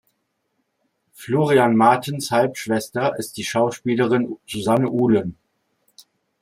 Florian Martens Halbschwester ist die Schauspielerin Susanne Uhlen.